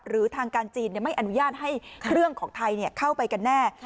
หรือทางการจีนไม่อนุญาตให้เครื่องของไทยเข้าไปกันแน่